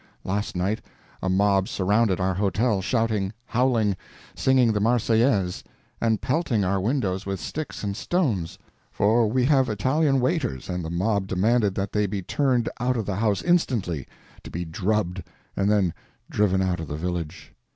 Last night a mob surrounded our hotel, shouting, howling, singing the "Marseillaise," and pelting our windows with sticks and stones; for we have Italian waiters, and the mob demanded that they be turned out of the house instantly—to be drubbed, and then driven out of the village.